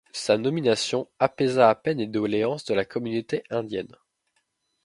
Sa nomination apaisa à peine les doléances de la communauté indienne.